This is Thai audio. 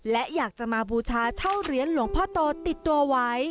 และอยากจะมาบูชาเช่าเหรียญหลวงพ่อโตติดตัวไว้